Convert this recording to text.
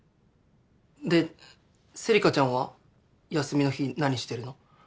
でせりかちゃんは休みの日何してるの？